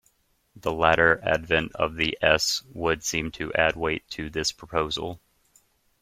The later advent of the s would seem to add weight to this proposal.